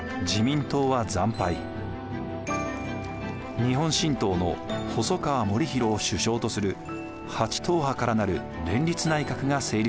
日本新党の細川護を首相とする８党派からなる連立内閣が成立しました。